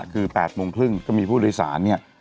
คือ๘โมงครึ่งก็มีผู้โดยสารเนี่ย